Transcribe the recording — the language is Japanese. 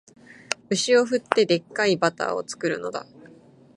牛を振って、デッカいバターを作るのだ